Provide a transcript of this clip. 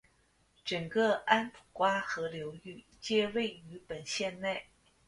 整个安普瓜河流域皆位于本县内。